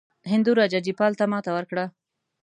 هندو راجا جیپال ته ماته ورکړه.